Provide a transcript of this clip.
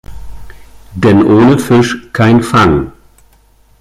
Denn ohne Fisch kein Fang.